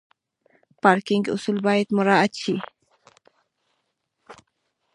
پارکینګ اصول باید مراعت شي.